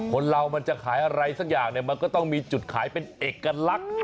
คนเรามันจะขายอะไรสักอย่างเนี่ยมันก็ต้องมีจุดขายเป็นเอกลักษณ์